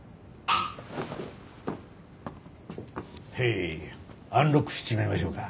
ヘーイアンロックしちまいましょうか？